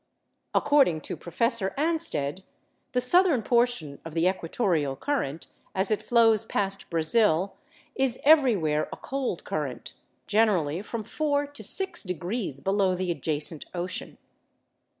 According to Professor Ansted, the southern portion of the equatorial current, as it flows past Brazil, 'is everywhere a cold current, generally from four to six degrees below the adjacent ocean.